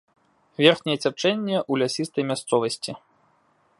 Верхняе цячэнне ў лясістай мясцовасці.